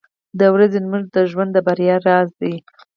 • د ورځې لمونځ د ژوند د بریا راز دی.